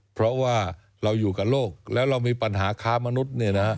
เพราะว่าเราอยู่กับโลกแล้วเรามีปัญหาค้ามนุษย์